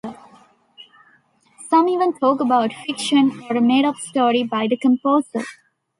Some even talk about fiction or a made-up story by the composer.